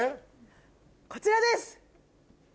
こちらです！